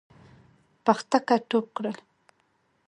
پختکه ټوپ کړل.